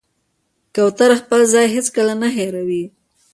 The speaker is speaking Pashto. کوتره خپل ځای هېڅکله نه هېروي.